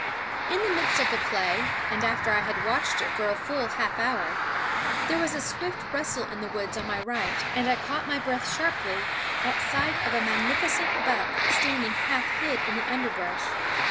In the midst of the play, and after I had watched it for a full half hour, there was a swift rustle in the woods on my right, and I caught my breath sharply at sight of a magnificent buck standing half hid in the underbrush.